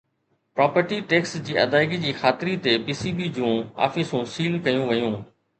property tax جي ادائگي جي خاطري تي پي سي بي جون آفيسون سيل ڪيون ويون